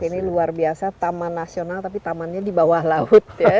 ini luar biasa taman nasional tapi tamannya di bawah laut ya